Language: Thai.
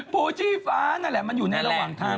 ภูชีฟ้านั่นแหละมันอยู่ในระหว่างทาง